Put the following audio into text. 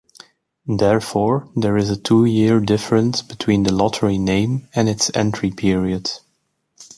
Therefore, there is a two-year difference between the lottery name and its entry period.